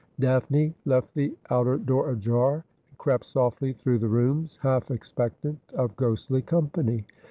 Daphne left the outer door ajar, and crept softly through the rooms, half expectant of ghostly company.